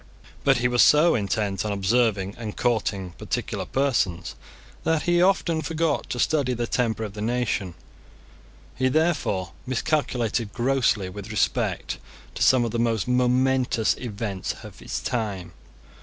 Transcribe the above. But he was so intent on observing and courting particular persons, that he often forgot to study the temper of the nation. He therefore miscalculated grossly with respect to some of the most momentous events of his time.